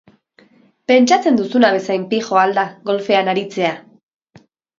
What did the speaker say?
Pentsatzen duzuna bezain pijoa al da golfean aritzea?